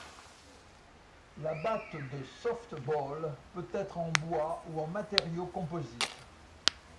La batte de softball peut être en bois ou en matériau composite.